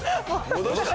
戻した。